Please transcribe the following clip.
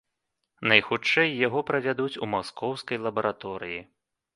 Найхутчэй яго правядуць у маскоўскай лабараторыі.